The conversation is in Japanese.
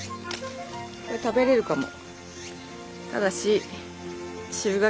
これ食べれるかも。